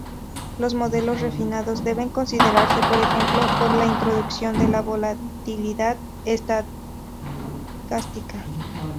Los modelos refinados deben considerarse, por ejemplo, por la introducción de la volatilidad estocástica.